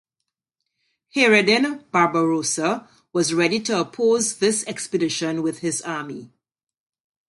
Hayreddin Barbarossa was ready to oppose this expedition with his army.